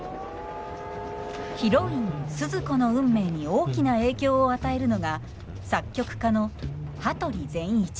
ヒロインスズ子の運命に大きな影響を与えるのが作曲家の羽鳥善一。